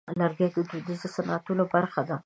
لرګی د دودیزو صنعتونو برخه ده.